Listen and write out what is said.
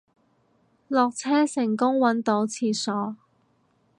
落車成功搵到廁所